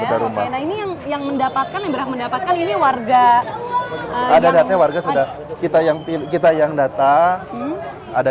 mendapatkan mendapatkan ini warga ada datanya warga sudah kita yang pilih kita yang data ada